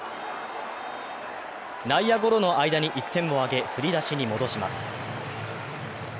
内野ゴロの間に１点を挙げ、振り出しに戻します。